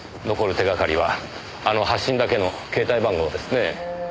残る手掛かりはあの発信だけの携帯番号ですねえ。